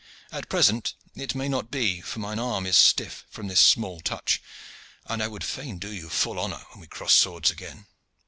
At present it may not be, for mine arm is stiff from this small touch, and I would fain do you full honor when we cross swords again.